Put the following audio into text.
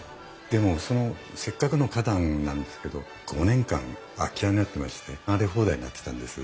でもそのせっかくの花壇なんですけど５年間空き家になってまして荒れ放題になってたんです。